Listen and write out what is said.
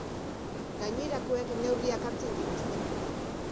Gainerakoek neurriak hartzen dituzte.